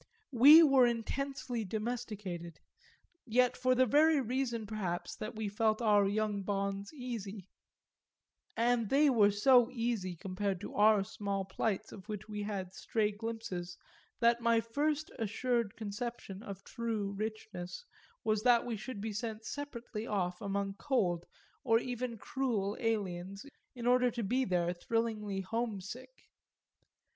We were intensely domesticated, yet for the very reason perhaps that we felt our young bonds easy; and they were so easy compared to other small plights of which we had stray glimpses that my first assured conception of true richness was that we should be sent separately off among cold or even cruel aliens in order to be there thrillingly homesick.